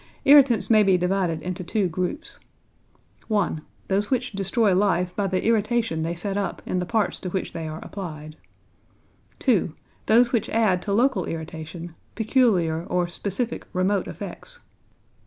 Irritants may be divided into two groups: (1) Those which destroy life by the irritation they set up in the parts to which they are applied; (2) those which add to local irritation peculiar or specific remote effects.